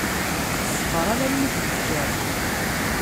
Ssbeṛ alma i d-yekker.